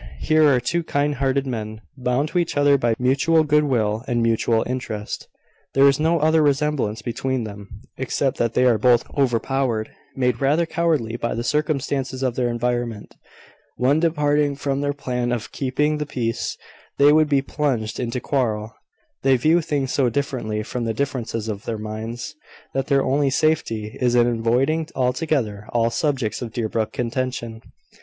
Here are two kind hearted men, bound to each other by mutual good will and mutual interest. There is no other resemblance between them, except that they are both overpowered made rather cowardly by the circumstances of their environment. Once departing from their plan of keeping the peace, they would be plunged into quarrel. They view things so differently, from the differences of their minds, that their only safety is in avoiding altogether all subjects of Deerbrook contention.